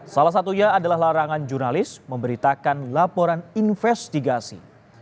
salah satunya adalah larangan jurnalis memberitakan laporan investigasi